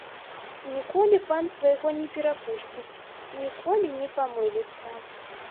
Ніколі пан свайго не перапусціць, ніколі не памыліцца.